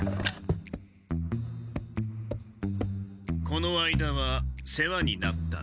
この間は世話になったね。